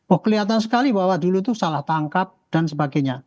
oh kelihatan sekali bahwa dulu itu salah tangkap dan sebagainya